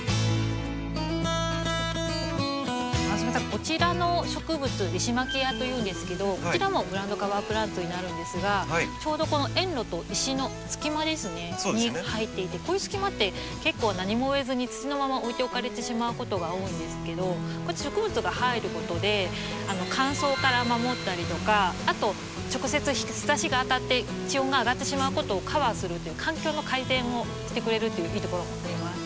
こちらの植物リシマキアというんですけどこちらもグラウンドカバープランツになるんですがちょうどこの園路と石の隙間ですねに生えていてこういう隙間って結構何も植えずに土のまま置いておかれてしまうことが多いんですけどこうやって植物が入ることで乾燥から守ったりとかあと直接日ざしが当たって地温が上がってしまうことをカバーするという環境の改善をしてくれるっていういいところもあります。